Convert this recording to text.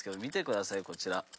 見てくださいこちら。